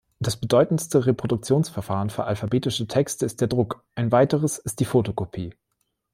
Das bedeutendste Reproduktionsverfahren für alphabetische Texte ist der Druck, ein weiteres ist die Fotokopie.